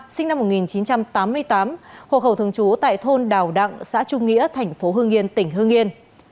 trần thị hoa sinh năm một nghìn chín trăm tám mươi tám hục hầu thường trú tại thôn đào đặng xã trung nghĩa tp hương yên tỉnh hương yên